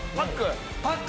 パック？